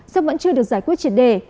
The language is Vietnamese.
sắp vẫn chưa được giải quyết triệt đề